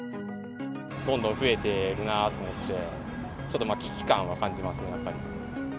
どんどん増えてるなと思って、ちょっと危機感は感じますね、やっぱり。